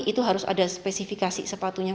itu harus ada spesifikasi sepatunya